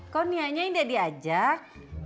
kok nianya indah diajak